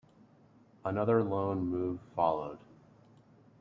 Another loan move followed.